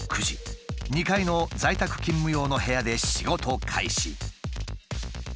２階の在宅勤務用の部屋で仕事開始。